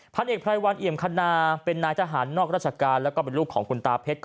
พันเอกไพรวันเอี่ยมคณาเป็นนายทหารนอกราชการแล้วก็เป็นลูกของคุณตาเพชร